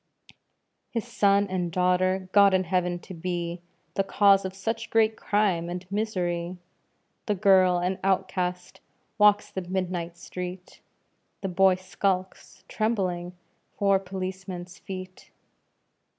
His son and daughter God in heaven to be The cause of such great crime and misery! The girl, an outcast, walks the midnight street; The boy skulks, trembling, 'fore policeman's feet.